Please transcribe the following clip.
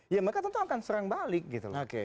ya maka tentu akan serang balik gitu loh